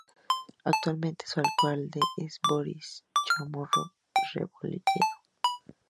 Actualmente su alcalde es Boris Chamorro Rebolledo.